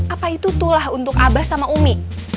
apa itu tuh lah untuk abah sama umi